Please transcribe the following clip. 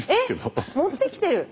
えっ持ってきてる。